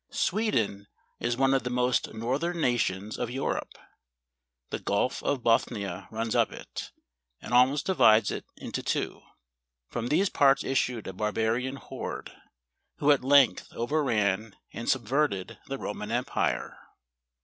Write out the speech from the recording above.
Sweden is one of the most northern nations of Europe. The gulf of Bothnia runs up it, and al¬ most divides it in two. From these parts issued a barbarian horde, who at length overran and subverted the Roman empire.